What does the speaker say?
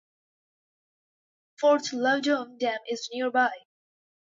Fort Loudoun Dam is nearby.